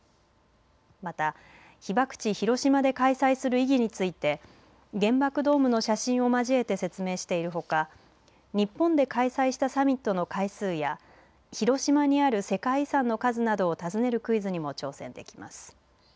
また被爆地、広島で開催する意義について原爆ドームの写真を交えて説明しているほか日本で開催したサミットの回数や広島にある世界遺産の数などを尋ねるクイズにも挑戦できます。